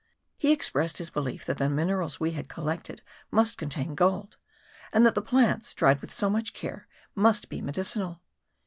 He expressed his belief that the minerals we had collected must contain gold; and that the plants, dried with so much care, must be medicinal.